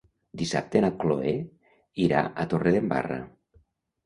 Dissabte na Chloé irà a Torredembarra.